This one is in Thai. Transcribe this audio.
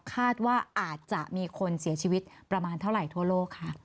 คาดว่าอาจจะมีคนเสียชีวิตประมาณเท่าไหร่ทั่วโลกค่ะ